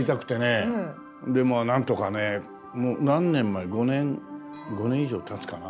でもう何とかねもう何年前５年以上たつかな。